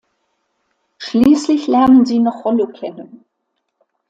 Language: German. Schließlich lernen sie noch Rollo kennen.